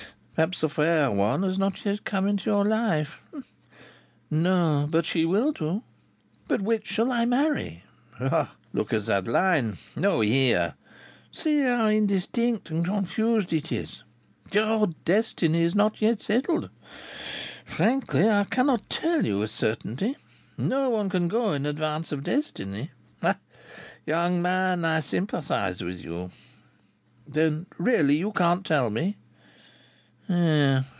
"Perhaps the fair one has not yet come into your life? No. But she will do." "But which shall I marry?" "Look at that line. No, here! See how indistinct and confused it is. Your destiny is not yet settled. Frankly, I cannot tell you with certainty. No one can go in advance of destiny. Ah! Young man, I sympathize with you." "Then, really you can't tell me."